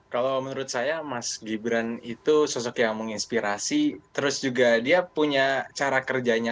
kalau menurut saya mas gibran itu sosok yang menginspirasi terus juga dia punya cara kerjanya